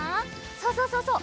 そうそうそうそう。